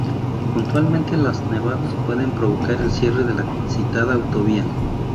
Puntualmente, las nevadas pueden provocar el cierre de la citada autovía.